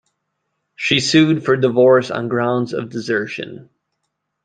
She sued for divorce on grounds of desertion.